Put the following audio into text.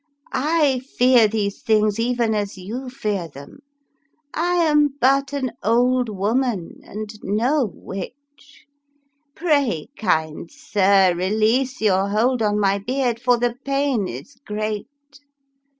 I fear these things even as you fear them. I am but an old woman, and no witch ; pray, kind sir, release your hold on my beard, for the pain is great."